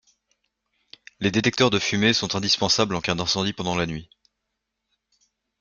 Les détecteurs de fumée sont indispensables en cas d'incendie pendant la nuit.